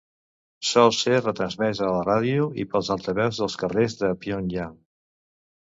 Sol ser retransmesa a la ràdio i pels altaveus dels carrers de Pyongyang.